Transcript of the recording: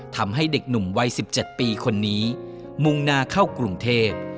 ทำให้เด็กหนุ่มวัย๑๗ปีคนนี้มุ่งหน้าเข้ากรุงเทพ